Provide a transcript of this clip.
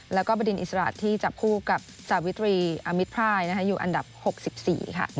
แล้วก็บดินอิสระที่จับคู่กับสาวิตรีอามิตพรายอยู่อันดับ๖๔ค่ะ